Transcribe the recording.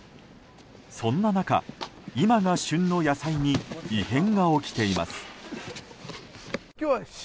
そんな中、今が旬の野菜に異変が起きています。